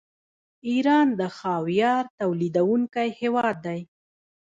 ایران د خاویار تولیدونکی هیواد دی.